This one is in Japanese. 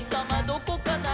どこかな？」